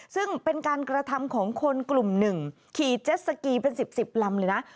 ซึ่งเป็นการกระทำของคนกลุ่มหนึ่งขี่เจ็ดสกีเป็น๑๐๑๐ลำเลยนะ